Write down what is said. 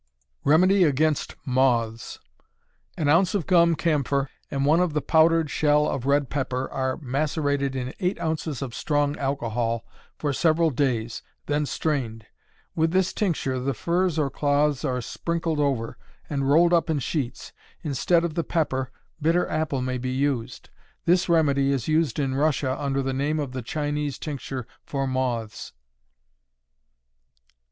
Remedy against Moths. An ounce of gum camphor and one of the powdered shell of red pepper are macerated in eight ounces of strong alcohol for several days, then strained. With this tincture the furs or cloths are sprinkled over, and rolled up in sheets. Instead of the pepper, bitter apple may be used. This remedy is used in Russia under the name of the Chinese tincture for moths.